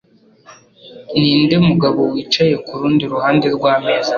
Ninde mugabo wicaye kurundi ruhande rwameza?